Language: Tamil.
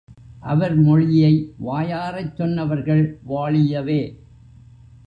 அவர்மொழியை வாயாரச் சொன்னவர்கள் வாழியவே!